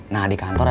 nah di kantor